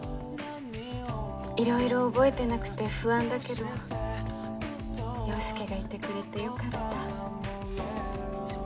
いろいろ覚えてなくて不安だけど陽佑がいてくれてよかった。